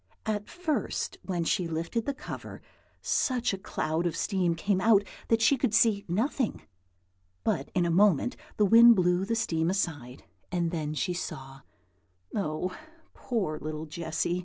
At first, when she lifted the cover, such a cloud of steam came out that she could see nothing; but in a moment the wind blew the steam aside, and then she saw, oh, poor little Jessy!